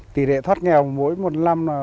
tỷ lệ thoát nghèo mỗi một năm